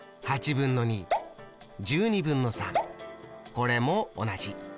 これも同じ。